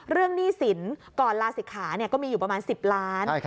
หนี้สินก่อนลาศิกขาก็มีอยู่ประมาณ๑๐ล้าน